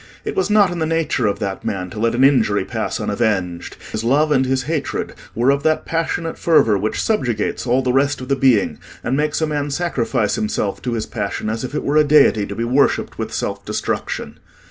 It was not in the nature of that man to let an injury pass unavenged: his love and his hatred were of that passionate fervour which subjugates all the rest of the being, and makes a man sacrifice himself to his passion as if it were a deity to be worshipped with self destruction.